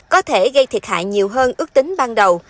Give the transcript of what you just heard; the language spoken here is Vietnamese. có thể gây thiệt hại nhiều hơn ước tính ban đầu